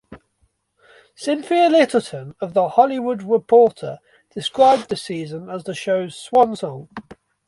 Cynthia Littleton of "The Hollywood Reporter" described the season as the show's "swan song".